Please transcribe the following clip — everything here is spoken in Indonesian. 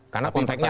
karena konteknya tadi